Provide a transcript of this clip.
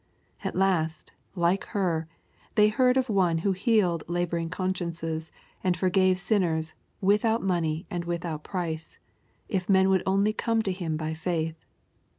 At last, like her, they heard of One who healed laboring consciences, and forgave sinners, " without money and without price," if men would only come to ''Him by faith.